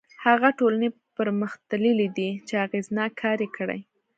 هغه ټولنې پرمختللي دي چې اغېزناک کار یې کړی.